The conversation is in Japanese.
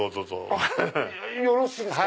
あっよろしいですか。